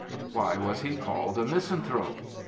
Why was he called a misanthrope?